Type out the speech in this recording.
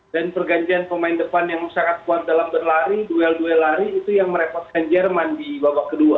dan perganjian pemain depan yang sangat kuat dalam berlari duel duel lari itu yang merepotkan jerman di babak kedua